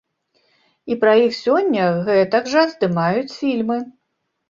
І пра іх сёння гэтак жа здымаюць фільмы.